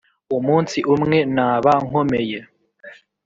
umunsi umwe naba nkomeye.